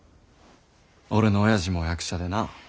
俺のおやじも役者でな。